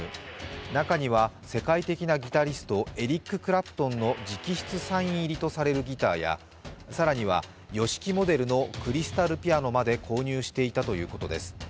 中には世界的ギタリスト、エリック・クラプトンの直筆サイン入りとされるギータや、更には、ＹＯＳＨＩＫＩモデルのクリスタルピアノまで購入していたということです。